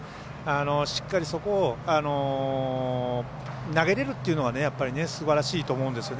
しっかり、そこを投げれるというのがすばらしいと思うんですよね。